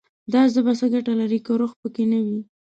دا ژبه څه ګټه لري، که روح پکې نه وي»